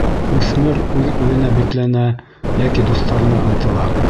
Үҫмер үҙ-үҙенә бикләнә йәки дуҫтарына ынтыла.